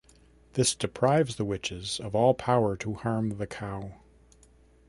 This deprives the witches of all power to harm the cow.